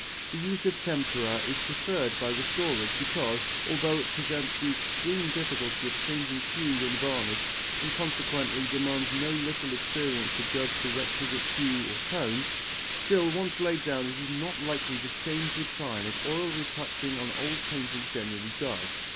The use of tempera is preferred by restorers because, although it presents the extreme difficulty of changing hue when varnished and consequently demands no little experience to judge the requisite hue or tone, still once laid down it is not likely to change with time as oil retouching on old paintings generally does.